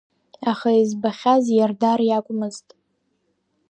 Аха избахьаз Иардар иакәмызт.